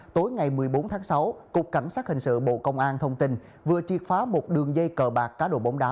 tối ngày một mươi bốn tháng sáu cục cảnh sát hình sự bộ công an thông tin vừa triệt phá một đường dây cờ bạc cá độ bóng đá